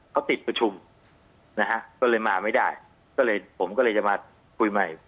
เขาติดประชุมนะฮะก็เลยมาไม่ได้ก็เลยผมก็เลยจะมาคุยใหม่